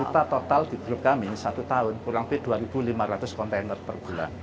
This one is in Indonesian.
kita total di grup kami satu tahun kurang lebih dua lima ratus kontainer per bulan